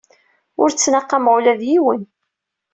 Ur ttnaqameɣ ula d yiwen.